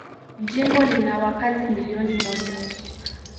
Jimbo lina wakazi milioni moja.